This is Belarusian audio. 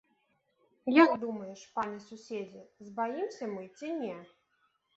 Як думаеш, пане суседзе, збаімся мы ці не?